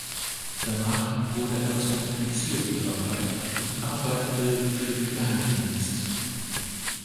Danach wurde er zum Offizier befördert und arbeitete für den Geheimdienst.